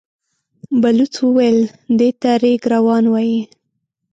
بلوڅ وويل: دې ته رېګ روان وايي.